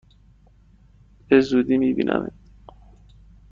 به زودی می بینمت!